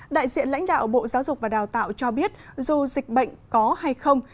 đại diện lãnh đạo bộ giáo dục và đào tạo cho biết dù dịch bệnh có hay không